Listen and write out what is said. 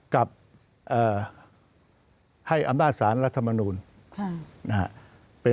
กับเอ่อให้อำนาจสานรัฐมนูลนะฮะ